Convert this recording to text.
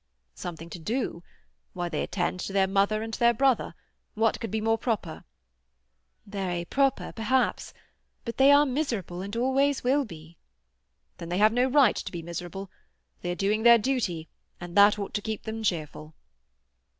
"Something to do? Why, they attend to their mother and their brother. What could be more proper?" "Very proper, perhaps. But they are miserable, and always will be." "Then they have no right to be miserable. They are doing their duty, and that ought to keep them cheerful."